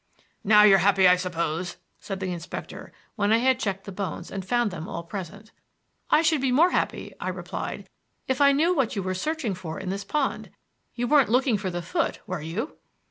"Now you're happy, I suppose," said the inspector when I had checked the bones and found them all present. "I should be more happy," I replied, "if I knew what you were searching for in this pond. You weren't looking for the foot, were you?"